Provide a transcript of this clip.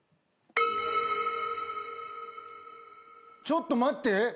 ちょっと待って。